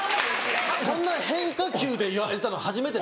こんな変化球で言われたの初めてです。